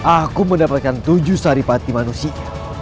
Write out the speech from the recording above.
aku mendapatkan tujuh sari pati manusia